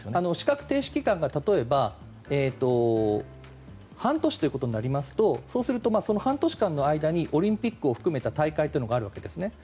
資格停止期間が例えば半年となりますとそうすると半年間の間にオリンピックを含めた大会というのがあるわけです。